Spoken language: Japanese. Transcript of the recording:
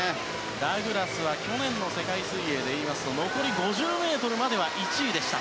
ダグラスは去年の世界水泳でいいますと残り５０ｍまでは１位でした。